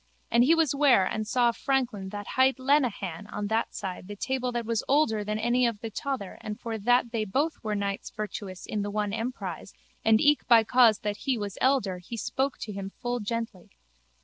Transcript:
And he was ware and saw a franklin that hight Lenehan on that side the table that was older than any of the tother and for that they both were knights virtuous in the one emprise and eke by cause that he was elder he spoke to him full gently.